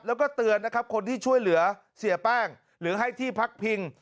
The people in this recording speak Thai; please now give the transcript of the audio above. แล้วก็เตือนนะครับคนที่ช่วยเหลือเสียแป้งหรือให้ที่พักพิง